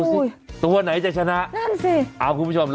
ซื้อให้มันต้องมีในกล่องไว้ล่ะ